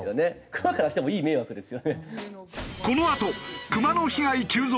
クマからしてもいい迷惑ですよね。